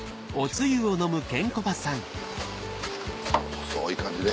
細い感じで。